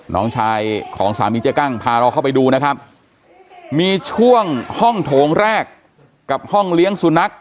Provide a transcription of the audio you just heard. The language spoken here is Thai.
น้องชายของสามีเจ๊กั้งพาเราเข้าไปดูนะครับมีช่วงห้องโถงแรกกับห้องเลี้ยงสุนัข